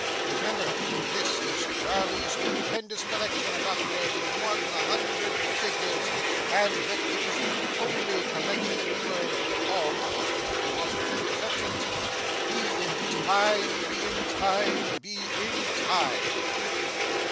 'Remember that this is Jarley's stupendous collection of upwards of One Hundred Figures, and that it is the only collection in the world; all others being imposters and deceptions. Be in time, be in time, be in time!